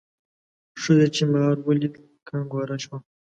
ښځې چې مار ولید کنګوره شوه.